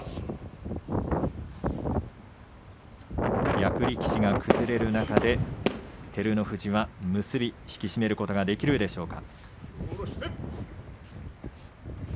役力士が崩れる中で照ノ富士、結び引き締めることができるでしょうか。